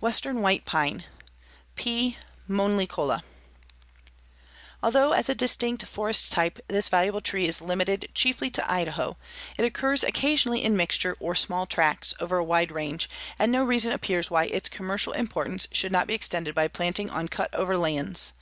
WESTERN WHITE PINE (P. Monlicola) Although as a distinct forest type this valuable tree is limited chiefly to Idaho, it occurs occasionally in mixture or small tracts over a wide range, and no reason appears why its commercial importance should not be extended by planting on cut over lands.